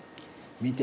見て。